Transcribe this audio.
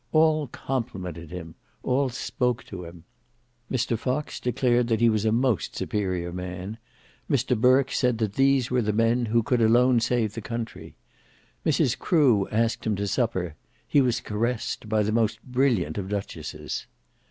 All complimented him, all spoke to him. Mr Fox declared that he was a most superior man; Mr Burke said that these were the men who could alone save the country. Mrs Crewe asked him to supper; he was caressed by the most brilliant of duchesses.